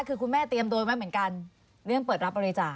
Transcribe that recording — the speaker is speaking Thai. คือคุณแม่เตรียมโดนไว้เหมือนกันเรื่องเปิดรับบริจาค